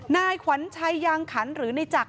นายขวัญชัยยางขันหรือในจักร